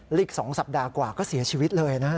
อีก๒สัปดาห์กว่าก็เสียชีวิตเลยนะฮะ